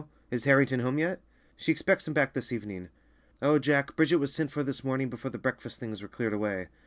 Is Harrington home yet?" "She expects him back this evening. Oh, Jack, Bridget was sent for this morning before the breakfast things were cleared away.